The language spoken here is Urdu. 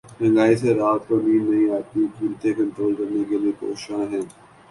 مہنگائی سے رات کو نیند نہیں آتی قیمتیں کنٹرول کرنے کے لیے کوشاں ہیں